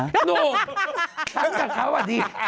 หนุ่มฉันกับเขาอ่ะดิ